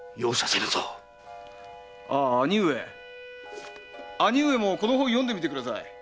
ああ兄上兄上もこの本を読んでみてください。